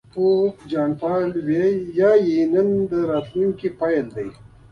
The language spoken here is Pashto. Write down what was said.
پوپ جان پایول وایي نن د راتلونکي پيل دی.